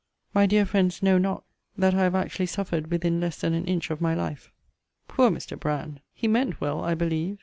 My dear friends know not that I have actually suffered within less than an inch of my life. Poor Mr. Brand! he meant well, I believe.